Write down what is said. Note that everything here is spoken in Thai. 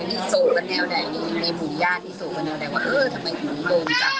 ที่โดดกันแล้วเนี่ยในหมู่ญาติที่โดดกันแล้วเนี่ยว่า